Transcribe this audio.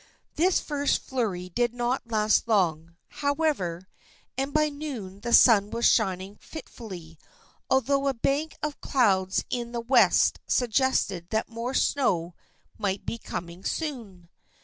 This first flurry did not last long, however, and by noon the sun was shining fitfully, although a bank of clouds in the west suggested that more snow might be coming soon.